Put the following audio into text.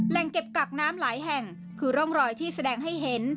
เก็บกักน้ำหลายแห่งคือร่องรอยที่แสดงให้เห็น